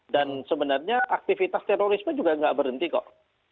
dan sebenarnya aktivitas terorisme juga nggak berhenti kok